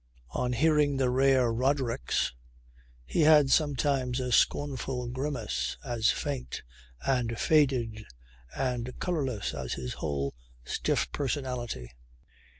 On hearing the rare "Rodericks" he had sometimes a scornful grimace as faint and faded and colourless as his whole stiff personality.